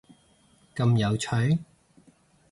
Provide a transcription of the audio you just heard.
咁有趣？！